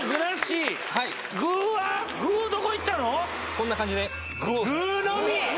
こんな感じで。